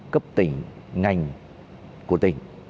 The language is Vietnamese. cấp tỉnh ngành của tỉnh